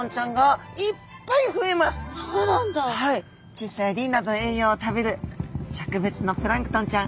チッ素やリンなどの栄養を食べる植物のプランクトンちゃん